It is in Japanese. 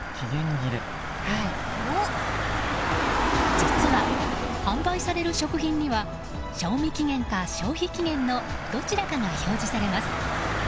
実は、販売される食品には賞味期限か消費期限のどちらかが表示されます。